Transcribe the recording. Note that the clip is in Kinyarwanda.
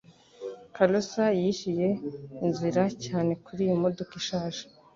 Kalosa yishyuye inzira cyane kuri iyo modoka ishaje.